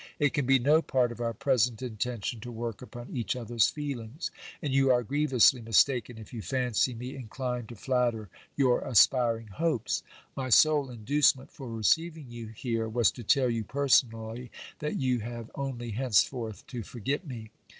It can be no part of our present intention to work upon each other's feelings ; and you are grievously mistaken, if you fancy me inclined to flatter your aspiring hopes. My sole inducement for receiving you here was to tell you personally, that you have only henceforth to forget me.